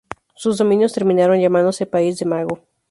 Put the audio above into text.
Sus dominios terminaron llamándose País del Mago.